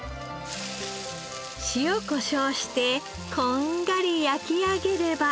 塩こしょうしてこんがり焼き上げれば。